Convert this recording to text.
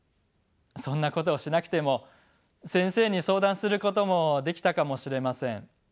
そんなことをしなくても先生に相談することもできたかもしれません。